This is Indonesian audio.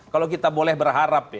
kalau kita boleh berharap